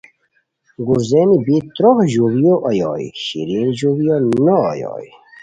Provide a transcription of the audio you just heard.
گورزینی بی تروق ژوڑیو اویوئے شیرین ژوڑیو نو اویوئے